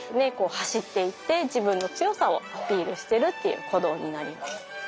走っていって自分の強さをアピールしてるっていう行動になります。